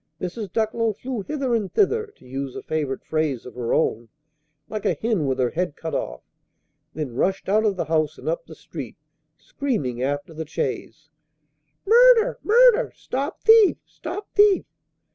Mrs. Ducklow flew hither and thither (to use a favorite phrase of her own), "like a hen with her head cut off;" then rushed out of the house and up the street, screaming after the chaise, "Murder! murder! Stop thief! stop thief!"